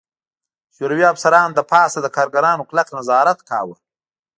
شوروي افسرانو له پاسه د کارګرانو کلک نظارت کاوه